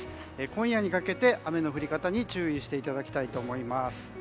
今夜にかけて雨の降り方に注意していただきたいと思います。